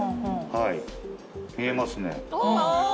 はい見えますね。